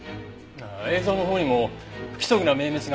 映像のほうにも不規則な明滅がありました。